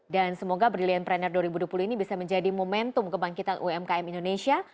dan semoga brilliant planner dua ribu dua puluh ini bisa menjadi momentum kebangkitan umkm indonesia